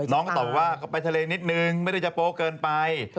น้องก็ตอบว่าก็ไปทะเลนิดนึงไม่ได้จะโป๊ะเกินไป